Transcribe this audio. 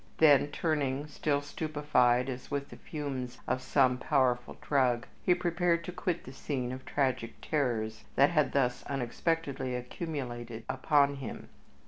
Then turning, still stupefied as with the fumes of some powerful drug, he prepared to quit the scene of tragic terrors that had thus unexpectedly accumulated upon him.